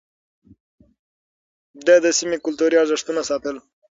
ده د سيمې کلتوري ارزښتونه ساتل.